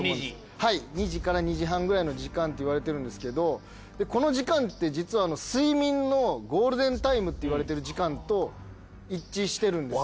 はい２時から２時半くらいの時間っていわれてるんですけどこの時間って実は睡眠のゴールデンタイムっていわれてる時間と一致してるんです。